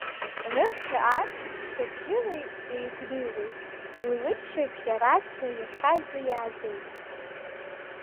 Нырцәи аарцәи ччабжьыла еигәныҩуеит, уи лыччабжь аранӡа, иахьанӡа, иааӡоит.